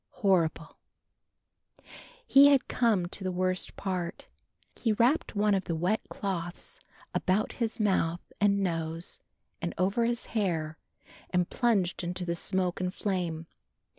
Horrible! He had come to the worst part; he wrapped one of the wet cloths about his mouth and nose and over his hair and plunged into the smoke and flame.